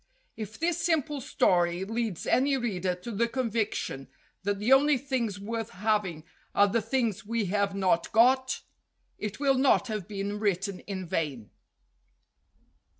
If this simple story leads any reader to the convic tion that the only things worth having are the things we have not got, it will not have been written in vain.